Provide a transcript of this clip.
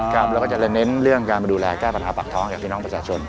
แล้วก็จะเน้นเรื่องการมาดูแลแก้ปัญหาปากท้องกับพี่น้องประชาชน